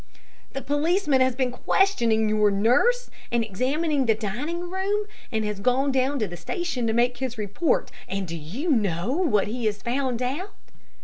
"The policeman has been questioning your nurse, and examining the dining room, and has gone down to the station to make his report, and do you know what he has found out?"